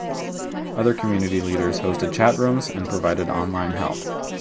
Other community leaders hosted chat rooms and provided online help.